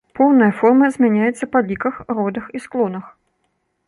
Поўная форма змяняецца па ліках, родах і склонах.